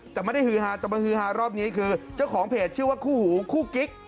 แต่ไม่ได้ฮือฮาแต่มาฮือฮารอบนี้คือเจ้าของเพจชื่อว่าคู่หูคู่กิ๊ก